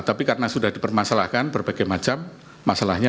tapi karena sudah dipermasalahkan berbagai macam masalahnya